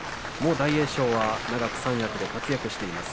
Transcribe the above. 大栄翔は三役ですでに活躍しています。